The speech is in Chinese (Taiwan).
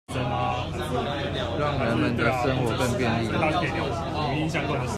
讓人們的生活更便利